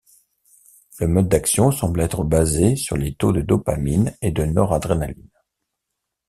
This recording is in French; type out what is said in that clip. Le mode d'action semble être basé sur les taux de dopamine et de noradrénaline.